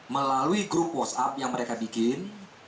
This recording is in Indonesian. melalui grup whatsapp yang mereka bikin